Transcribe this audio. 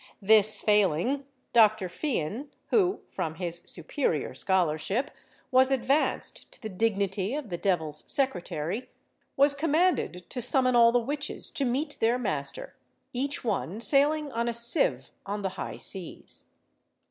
This failing, Dr. Fian, who, from his superior scholarship, was advanced to the dignity of the devil's secretary, was commanded to summon all the witches to meet their master, each one sailing on a sieve on the high seas.